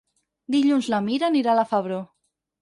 Dilluns na Mira anirà a la Febró.